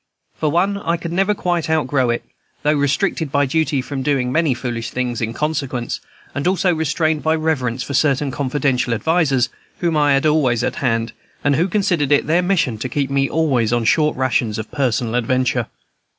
For one, I could never quite outgrow it, though restricted by duty from doing many foolish things in consequence, and also restrained by reverence for certain confidential advisers whom I had always at hand, and who considered it their mission to keep me always on short rations of personal adventure.